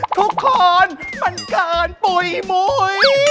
ทุกคนทุกคนมันเกินปุ่ยมุย